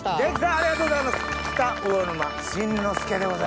ありがとうございます。